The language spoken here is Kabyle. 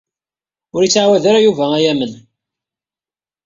Ur ittɛawed ara Yuba ad yi-yamen.